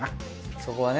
そこはね